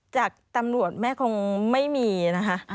จากตำรวจแม่คงไม่มีนะคะ